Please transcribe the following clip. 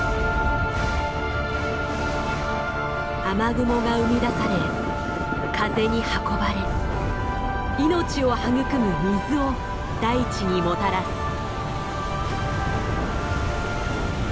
雨雲が生み出され風に運ばれ命を育む水を大地にもたらす。